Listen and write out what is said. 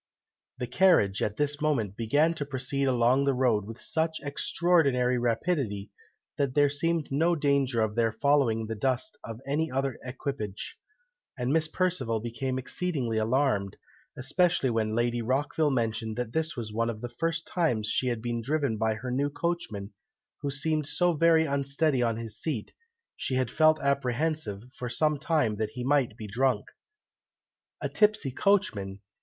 '" The carriage, at this moment, began to proceed along the road with such extraordinary rapidity, that there seemed no danger of their following in the dust of any other equipage, and Miss Perceval became exceedingly alarmed, especially when Lady Rockville mentioned that this was one of the first times she had been driven by her new coachman, who seemed so very unsteady on his seat, she had felt apprehensive, for some time, that he might be drunk. "A tipsy coachman!